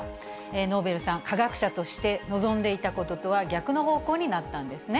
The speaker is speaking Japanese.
ノーベルさん、科学者として望んでいたこととは逆の方向になったんですね。